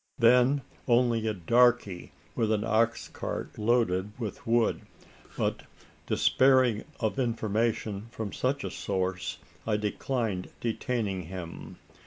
Then only a "darkey" with an ox cart loaded with wood; but, despairing of information from such a source, I declined detaining him.